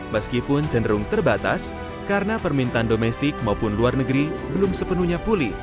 meskipun cenderung terbatas karena permintaan domestik maupun luar negeri belum sepenuhnya pulih